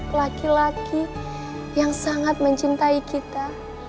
laki laki yang sangat mencintai kita